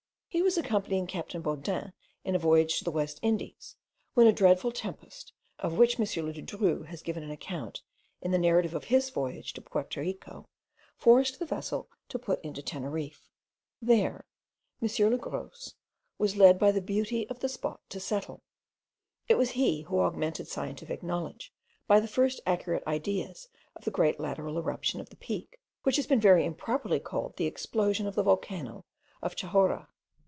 He was accompanying captain Baudin in a voyage to the West Indies, when a dreadful tempest, of which M. Le Dru has given an account in the narrative of his voyage to Porto Rico, forced the vessel to put into Teneriffe. There M. Le Gros was led by the beauty of the spot to settle. It was he who augmented scientific knowledge by the first accurate ideas of the great lateral eruption of the Peak, which has been very improperly called the explosion of the volcano of Chahorra.